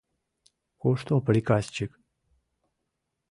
Кушто приказчик?